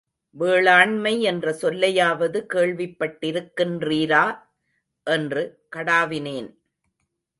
வேளாண்மை என்ற சொல்லையாவது கேள்விப்பட்டிருக்கின்றீரா? என்று கடாவினேன்.